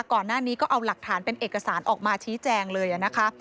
ก่อนหน้านี้ก็เอาหลักฐานเป็นเอกสารออกมาชี้แจงเลยนะคะ